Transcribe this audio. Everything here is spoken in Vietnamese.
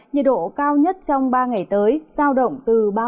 nhiệt độ cao nhất trong ba ngày tới giao động từ ba mươi một